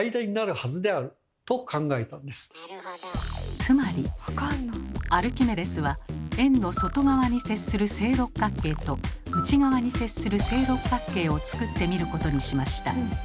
つまりアルキメデスは円の外側に接する正六角形と内側に接する正六角形を作ってみることにしました。